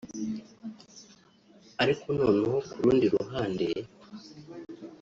Ariko noneho ku rundi ruhande